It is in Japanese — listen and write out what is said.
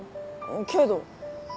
けど？